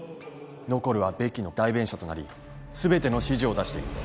ノコルはベキの代弁者となり全ての指示を出しています